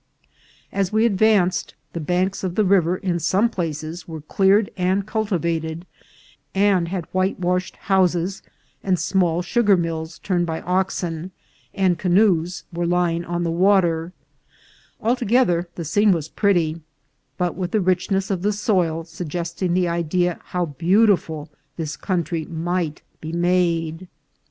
As we advanced, the banks of the river in some places were cleared and cultivated, and had whitewashed houses, and small su gar mills turned by oxen, and canoes were lying on the water ; altogether the scene was pretty, but with the richness of the soil suggesting the idea how beautiful this country might be made.